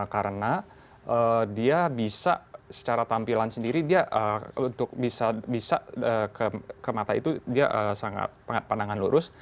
karena dia bisa secara tampilan sendiri dia bisa ke mata itu dia sangat pandangan lurus